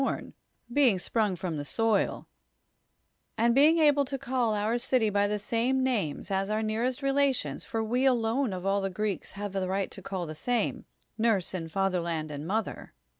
rn, being sprinig from the soil, and l)eing able to call our cily by the snine naitH'S as our neart'st relations, luv v,e jiloiie of all tlie (iriM ks have a riuht to c;;ll the snnic — nurse and fatherland and mother.